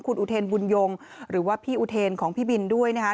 คุณอุเทนบุญยงหรือว่าพี่อุเทนของพี่บินด้วยนะคะ